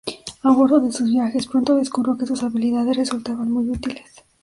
A bordo de sus viajes, pronto descubrió que sus habilidades resultaban muy útiles.